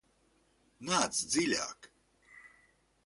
Nāc dziļāk!